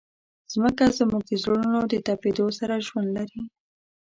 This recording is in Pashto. مځکه زموږ د زړونو د تپېدو سره ژوند لري.